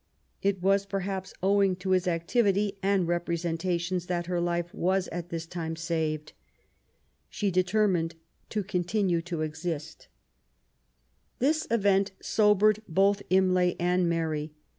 It was, perhaps, owing to his activity and representations that her life was at this time saved. She determined to continue to exist.'' IMLATS DESERTION. 141 This event sobered both Imlay and Mary.